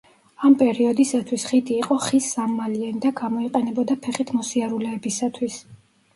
ამ პერიოდისათვის ხიდი იყო ხის სამმალიანი და გამოიყენებოდა ფეხით მოსიარულეებისათვის.